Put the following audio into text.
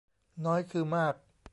น้อยคือมาก